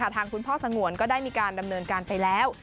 ทางคุณพ่อสงวนก็ได้มีการดำเนินการไปแล้ว